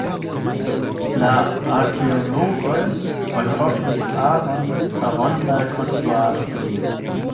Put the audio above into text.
La arkeologoj malkovris aron da rondaj konstruaĵoj.